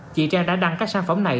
chị trang đã đăng các sản phẩm này